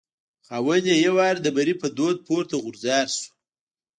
خاوند یې یو وار د بري په دود پورته غورځار شو.